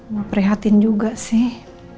mau prihatin juga sih